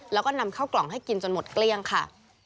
แล้วก็นำเข้ากล่องให้กินจนหมดเกลี้ยงค่ะ